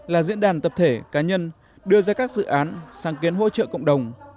là diễn đàn tập thể cá nhân đưa ra các dự án sáng kiến hỗ trợ cộng đồng